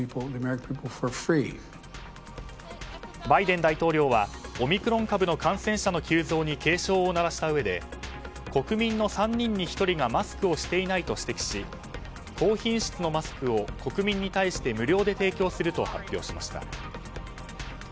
バイデン大統領はオミクロン株の感染者の急増に警鐘を鳴らしたうえで国民の３人に１人がマスクをしていないと指摘し高品質のマスクを国民に対して無料で提供すると発表しました。